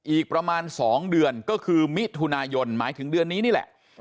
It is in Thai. อีกประมาณ๒เดือนก็คือมิถุนายนหมายถึงเดือนนี้นี่แหละ